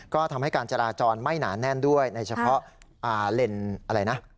ก็ทำให้การจราจรไม่หนาแน่นด้วยในเฉพาะเลนส์อะไรนะ